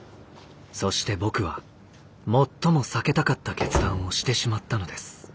そして僕は最も避けたかった決断をしてしまったのです。